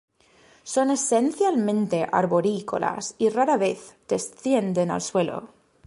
Son esencialmente arborícolas y rara vez descienden al suelo.